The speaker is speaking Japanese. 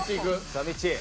さあみっちー。